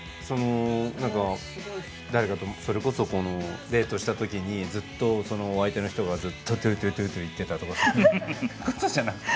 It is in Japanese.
何か誰かとそれこそこのデートした時にずっとお相手の人がずっと「トゥー・トゥー・トゥー」言ってたとかってことじゃなくて？